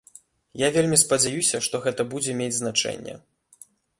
Я вельмі спадзяюся, што гэта будзе мець значэнне.